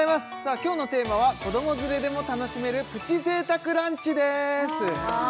今日のテーマは子ども連れでも楽しめるプチ贅沢ランチです